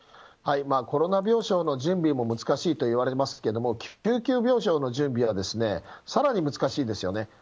コロナ病床の準備も難しいといわれますけども救急病床の準備は更に難しいですよね。